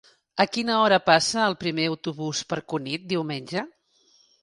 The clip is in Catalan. A quina hora passa el primer autobús per Cunit diumenge?